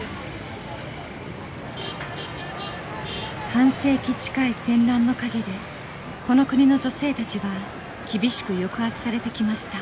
半世紀近い戦乱の陰でこの国の女性たちは厳しく抑圧されてきました。